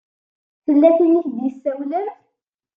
Tella tin i ak-d-isawlen.